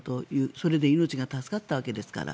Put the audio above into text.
それで命が助かったわけですから。